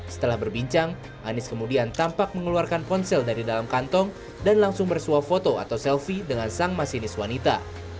setelah berbincang anies kemudian tampak mengeluarkan ponsel dari dalam kantong dan langsung bersuap foto atau selfie dengan sang masinis wanita